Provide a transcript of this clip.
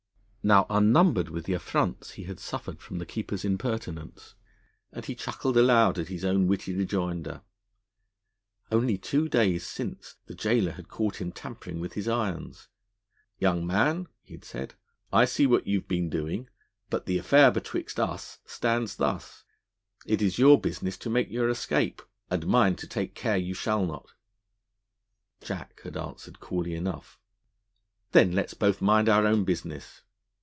Now, unnumbered were the affronts he had suffered from the Keeper's impertinence, and he chuckled aloud at his own witty rejoinder. Only two days since the Gaoler had caught him tampering with his irons. 'Young man,' he had said, 'I see what you have been doing, but the affair betwixt us stands thus: It is your business to make your escape, and mine to take care you shall not.' Jack had answered coolly enough: 'Then let's both mind our own business.'